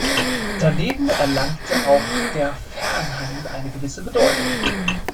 Daneben erlangte auch der Fernhandel eine gewisse Bedeutung.